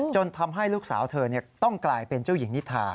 จนทำให้ลูกสาวเธอต้องกลายเป็นเจ้าหญิงนิทา